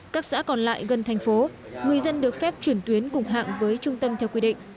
các xã còn lại gần thành phố người dân được phép chuyển tuyến cùng hạng với trung tâm theo quy định